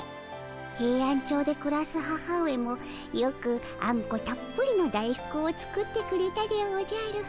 ヘイアンチョウでくらす母上もよくあんこたっぷりの大福を作ってくれたでおじゃる。